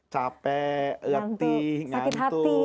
capek letih ngantuk